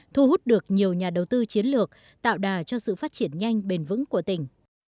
thu hút được nhiều nhà đầu tư chiến lược tạo đà cho sự phát triển nhanh bền vững của tỉnh